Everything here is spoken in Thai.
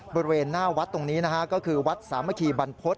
บริเวณหน้าวัดตรงนี้นะฮะก็คือวัดสามัคคีบรรพฤษ